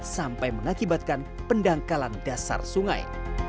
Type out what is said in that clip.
sampai mengakibatkan pendangkalan dasar sungai